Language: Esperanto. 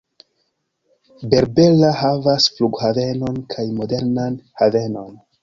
Berbera havas flughavenon kaj modernan havenon.